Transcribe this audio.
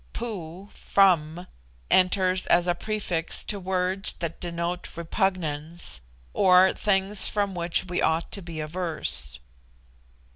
Poo (from) enters as a prefix to words that denote repugnance, or things from which we ought to be averse.